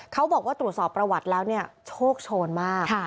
เขาบอกว่าตรวจสอบประวัติแล้วเนี่ยโชคโชนมาก